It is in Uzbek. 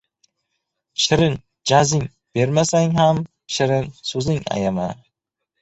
Shirin jazing bermasang ham, shirin so‘zing ayama.